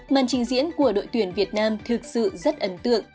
màn trình diễn của đội tuyển việt nam thực sự rất ấn tượng